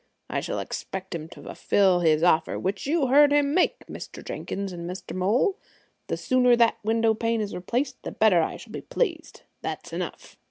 I shall expect him to fulfill his offer, which you heard him make, Mr. Jenkins and Mr. Mole. The sooner that window pane is replaced the better I shall be pleased. That's enough."